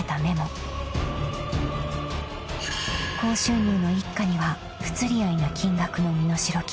［高収入の一家には不釣り合いな金額の身代金］